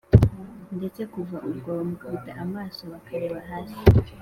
ndetse kuva ubwo bamukubita amaso bakareba hasi.